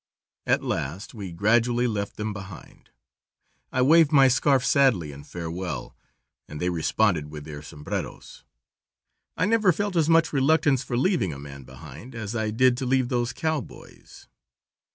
At last we gradually left them behind. I waved my scarf sadly in farewell, and they responded with their sombreros. I never felt as much reluctance for leaving a man behind as I did to leave those cowboys.